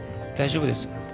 大丈夫ですよ。